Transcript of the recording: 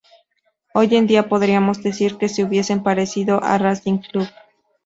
Hoy en día podríamos decir que se hubiese parecido a Racing Club.